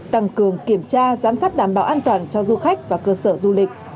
tăng cường kiểm tra giám sát đảm bảo an toàn cho du khách và cơ sở du lịch